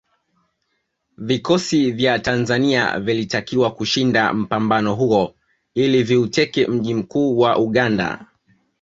Vikosi vya Tanzania vilitakiwa kushinda mpambano huo ili viuteke mji mkuu wa Uganda